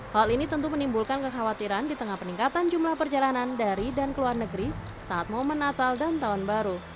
hal ini tentu menimbulkan kekhawatiran di tengah peningkatan jumlah perjalanan dari dan ke luar negeri saat momen natal dan tahun baru